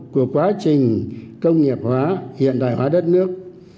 của quá trình công nghiệp hóa hiện đại hóa đất nước